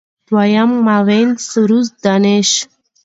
دویم معاون سرور دانش